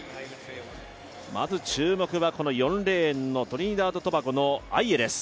まず注目は４レーンのトリニダード・トバゴのアイエです。